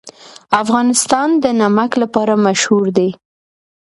افغانستان د نمک لپاره مشهور دی.